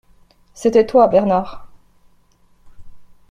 C’était toi, Bernard !